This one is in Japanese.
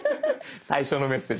最初のメッセージ